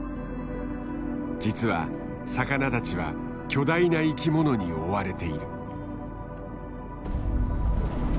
実は魚たちは巨大な生きものに追われている。